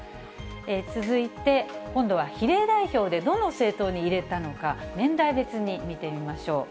続いて、今度は比例代表でどの政党に入れたのか、年代別に見てみましょう。